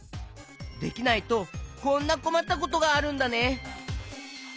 できないとこんなこまったことがあるんだね。